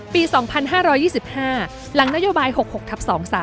ปี๒๕๒๕หลังนโยบาย๖๖ทับ๒๓